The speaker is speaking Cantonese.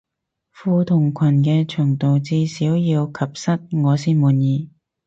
褲同裙嘅長度至少要及膝我先滿意